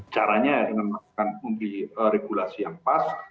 caranya dengan membuatkan regulasi yang pas